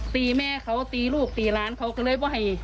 ตีแม่เค้าตีลูกตีร้านเค้าก็เลยไม่ให้